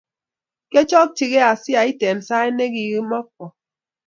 Kiachokchikei asiat eng sait nekikimokwo